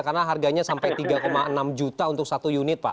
karena harganya sampai tiga enam juta untuk satu unit pak